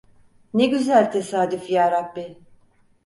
Ne güzel tesadüf Yarabbi…